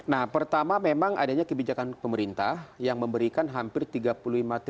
nah pertama memang adanya kebijakan pemerintah yang memberikan hampir tiga rupiah